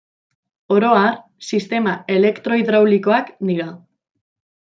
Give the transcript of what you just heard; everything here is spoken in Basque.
Oro har sistema elektro-hidraulikoak dira.